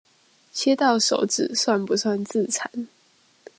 切到手指算不算自殘